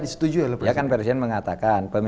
disetujui oleh presiden ya kan presiden mengatakan